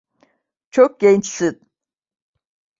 Çok gençsin.